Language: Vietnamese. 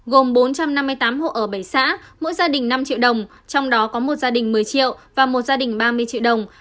gồm bốn trăm năm mươi tám hộ ở bảy xã mỗi gia đình năm triệu đồng trong đó có một gia đình một mươi triệu và một gia đình ba mươi triệu đồng